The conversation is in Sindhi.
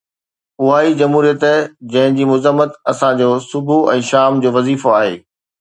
اها ئي جمهوريت جنهن جي مذمت اسان جو صبح ۽ شام جو وظيفو آهي.